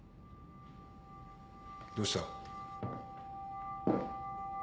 どうした？